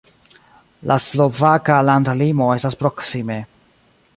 La slovaka landlimo estas proksime.